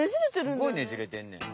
すごいねじれてんねん。